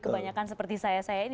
kebanyakan seperti saya saya ini